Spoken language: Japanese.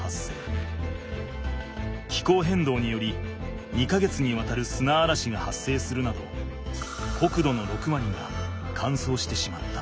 気候変動により２か月にわたるすなあらしが発生するなど国土の６割が乾燥してしまった。